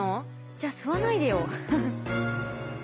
じゃあ吸わないでよ。